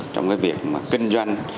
trong cái việc mà kinh doanh